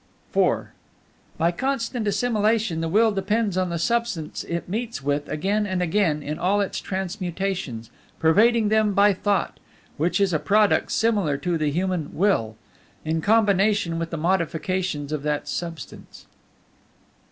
IV By constant assimilation, the Will depends on the Substance it meets with again and again in all its transmutations, pervading them by Thought, which is a product peculiar to the human Will, in combination with the modifications of that Substance.